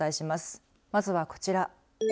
まずはこちら。